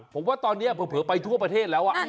ผมว่าตอนนี้เผลอไปทั่วประเทศแล้ว